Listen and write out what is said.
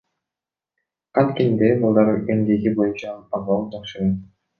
Канткенде балдар эмгеги боюнча абал жакшырат?